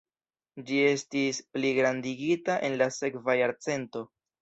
Ĝi estis pligrandigita en la sekva jarcento.